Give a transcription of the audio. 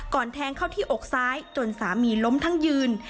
แทงเข้าที่อกซ้ายจนสามีล้มทั้งยืน